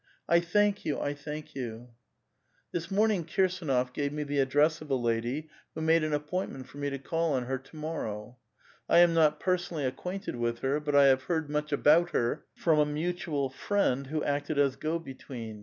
" I thank you, I thank you !"" This moriiiiig Kirsdnof gave me the address of a lady who made an appointment for me to call on her to morrow. I am not personally acquainted with her, but I have heard much about her from a mutual friend who acted as go between.